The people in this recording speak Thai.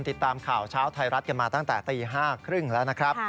ติดตามข่าวเช้าไทยรัฐกันมาตั้งแต่ตี๕๓๐แล้วนะครับ